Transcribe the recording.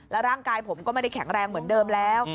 ร่างกายผมก็ไม่ได้แข็งแรงเหมือนเดิมแล้ว